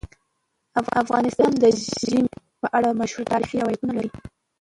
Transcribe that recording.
افغانستان د ژمی په اړه مشهور تاریخی روایتونه لري.